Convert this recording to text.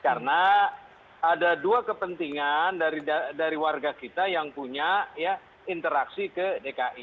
karena ada dua kepentingan dari warga kita yang punya ya interaksi ke dki